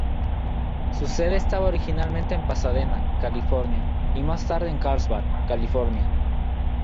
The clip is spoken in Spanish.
Su sede estaba originalmente en Pasadena, California y más tarde en Carlsbad, California.